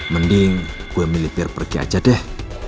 mending gue militer pergi aja deh